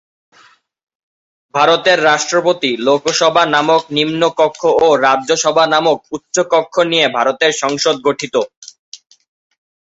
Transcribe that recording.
ভারতের রাষ্ট্রপতি, লোকসভা নামক নিম্নকক্ষ ও রাজ্যসভা নামক উচ্চকক্ষ নিয়ে ভারতের সংসদ গঠিত।